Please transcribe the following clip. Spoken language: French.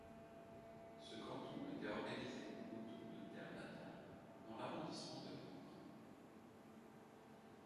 Ce canton était organisé autour de Terre-Natale dans l'arrondissement de Langres.